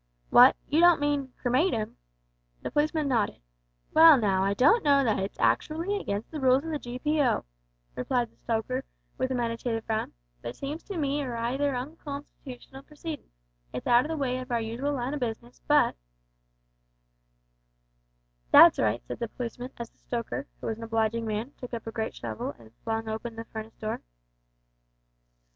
"What! you don't mean cremate 'im?" The policeman nodded. "Well, now, I don't know that it's actooally against the rules of the GPO," replied the stoker, with a meditative frown, "but it seems to me a raither unconstitootional proceedin'. It's out o' the way of our usual line of business, but " "That's right," said the policeman, as the stoker, who was an obliging man, took up a great shovel and flung open the furnace door.